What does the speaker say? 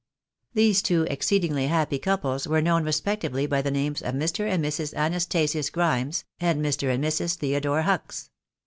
These two exceed ingly happy couples were known respectively by the names of Mr. and Mrs. Anastasius Grimes, and Mr. and Mrs. Theodore Hucks.